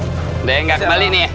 udah enggak balik nih ya